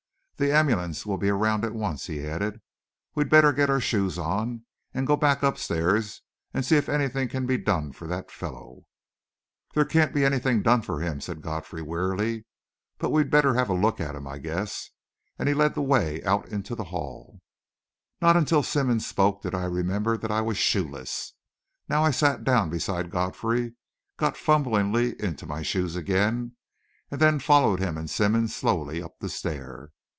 "The ambulance will be around at once," he added. "We'd better get our shoes on, and go back upstairs, and see if anything can be done for that fellow." "There can't anything be done for him," said Godfrey wearily; "but we'd better have a look at him, I guess," and he led the way out into the hall. Not until Simmonds spoke did I remember that I was shoeless. Now I sat down beside Godfrey, got fumblingly into my shoes again, and then followed him and Simmonds slowly up the stair.